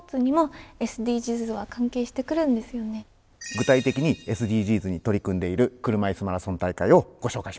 具体的にＳＤＧｓに取り組んでいる車いすマラソン大会をご紹介しましょう。